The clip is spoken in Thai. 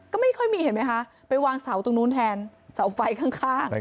ก็ไม่ค่อยมีเห็นไหมคะไปวางเสาตรงนู้นแทนเสาไฟข้าง